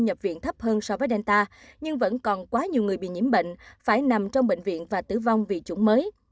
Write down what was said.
nhập viện thấp hơn so với delta nhưng vẫn còn quá nhiều người bị nhiễm bệnh phải nằm trong bệnh viện và tử vong vì chủng mới